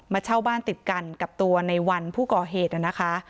เช่าบ้านติดกันกับตัวในวันผู้ก่อเหตุนะคะ